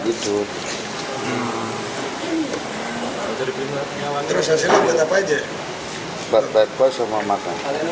baru baru sama makan